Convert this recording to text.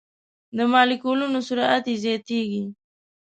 د مالیکولونو سرعت یې زیاتیږي.